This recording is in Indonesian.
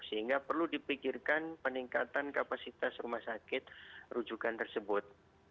sehingga perlu dipikirkan peningkatan kapasitas rumah sakit rujukan tersebut